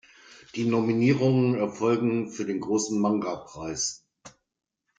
Die Nominierungen erfolgen für den "Großen Manga-Preis".